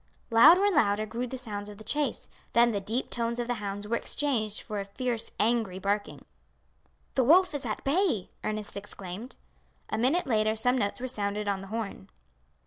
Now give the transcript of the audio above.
Louder and louder grew the sounds of the chase; then the deep tones of the hounds were exchanged for a fierce angry barking. "The wolf is at bay!" Ernest exclaimed. A minute later some notes were sounded on the horn.